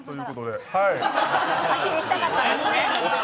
先に行きたかったんですね。